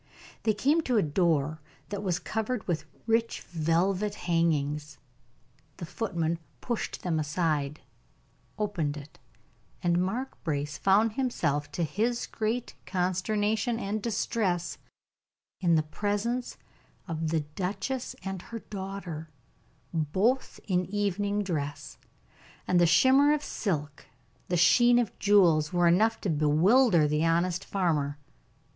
They came to a door that was covered with rich velvet hangings; the footman pushed them aside, opened it, and Mark Brace found himself, to his great consternation and distress, in the presence of the duchess and her daughter, both in evening dress; and the shimmer of silk, the sheen of jewels, were enough to bewilder the honest farmer.